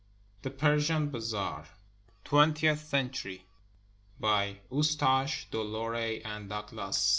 THE PERSIAN BAZAARS [Twentieth century] BY EUSTACHE DE LOREY AND DOUGLAS SL.